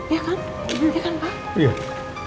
iya kan iya kan pak